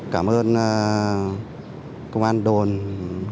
cảm ơn công an đồn